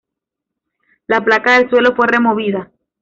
La placa del suelo fue removida.